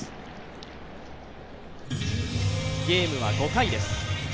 ゲームは５回です。